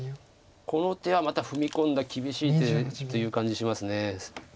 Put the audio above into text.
この手はまた踏み込んだ厳しい手という感じします。